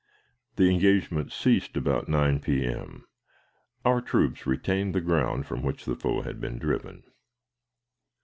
The engagement ceased about 9 P.M. Our troops retained the ground from which the foe had been driven.